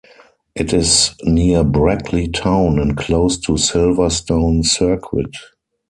It is near Brackley town and close to Silverstone Circuit.